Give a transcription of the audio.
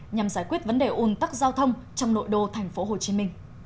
nhằm giải quyết vấn đề ủn tắc giao thông trong nội đô tp hcm